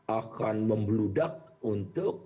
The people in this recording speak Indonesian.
akan membeludak untuk